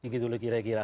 gitu lah kira kira